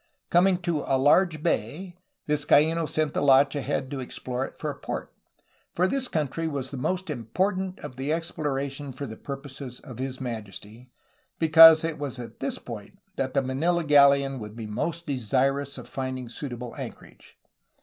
Coming to ''a large bay," Vizcaino sent the launch ahead to explore it for a port, "for this country was the most important of the exploration for the purposes of His Majesty,'' because it was at this point that the Manila galleon would be most desirous of finding suitable anchorage.